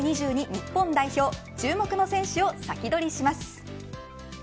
日本代表注目の選手をサキドリします。